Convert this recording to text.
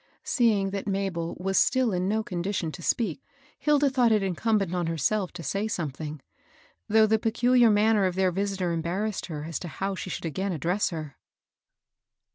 Seeing that Mabel was still in no condition to speak, Hilda thought it incumbent on herself to saj something ; though the peculiar manner of their visitor embarrassed her as to how she should again address her.